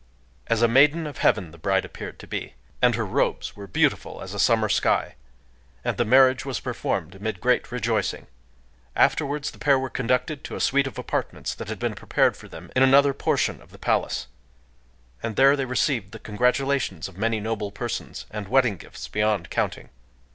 As a maiden of heaven the bride appeared to be; and her robes were beautiful as a summer sky. And the marriage was performed amid great rejoicing. Afterwards the pair were conducted to a suite of apartments that had been prepared for them in another portion of the palace; and there they received the congratulations of many noble persons, and wedding gifts beyond counting.